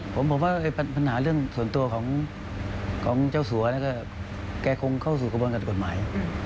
ผมว่าปัญหาเรื่องส่วนตัวของเจ้าสัวแกคงเข้าสู่กระบวนการกฎหมาย